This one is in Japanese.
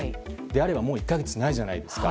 であれば、もう１か月ないじゃないですか。